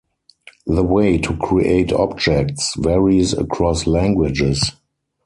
The way to create objects varies across languages.